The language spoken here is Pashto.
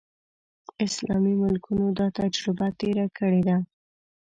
اسلامي ملکونو دا تجربه تېره کړې ده.